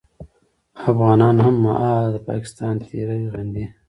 افغانان هممهاله د پاکستان تېری غندي